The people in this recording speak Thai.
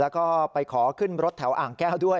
แล้วก็ไปขอขึ้นรถแถวอ่างแก้วด้วย